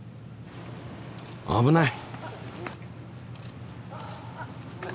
危ない！